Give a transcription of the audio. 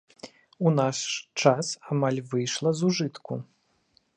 У наш час амаль выйшла з ужытку.